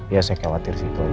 ya saya khawatir sih itu aja